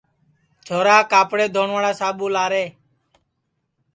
چھورا کاپڑے دھونواڑا ساٻو لارے